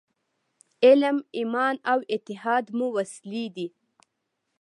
علم، ایمان او اتحاد مو وسلې دي.